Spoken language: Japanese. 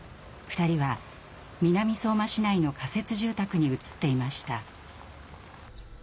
２人は南相馬市内の仮設住宅に移っていました。